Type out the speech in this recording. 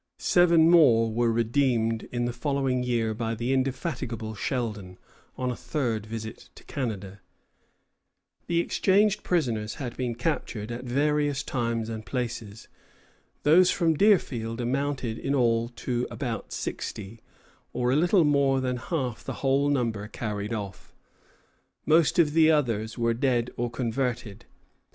Seven more were redeemed in the following year by the indefatigable Sheldon, on a third visit to Canada. The exchanged prisoners had been captured at various times and places. Those from Deerfield amounted in all to about sixty, or a little more than half the whole number carried off. Most of the others were dead or converted.